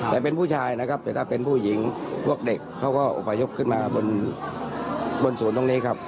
แต่เป็นผู้ชายนะครับแต่ถ้าเป็นผู้หญิงพวกเด็กเขาก็อุพยพขึ้นมาบนสวนตรงนี้ครับ